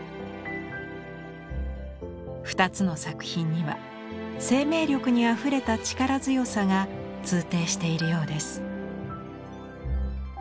２つの作品には生命力にあふれた力強さが通底しているようです。